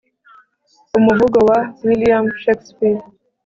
umuvugo wa william shakespeare